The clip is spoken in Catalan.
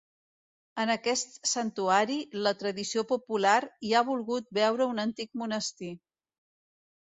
En aquest santuari, la tradició popular hi ha volgut veure un antic monestir.